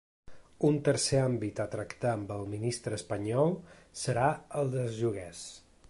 Un tercer àmbit a tractar amb el ministre espanyol serà el dels lloguers.